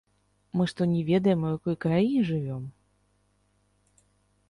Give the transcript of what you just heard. Мы што не ведаем, у якой краіне жывём?